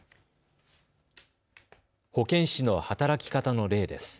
保健師の働き方の例です。